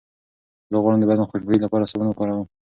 زه غواړم د بدن خوشبویۍ لپاره سابون وکاروم.